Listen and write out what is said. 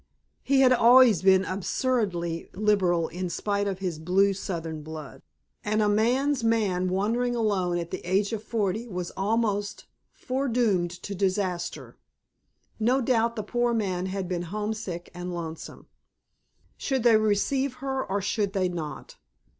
He had always been absurdly liberal in spite of his blue Southern blood; and a man's man wandering alone at the age of forty was almost foredoomed to disaster. No doubt the poor man had been homesick and lonesome. Should they receive her or should they not?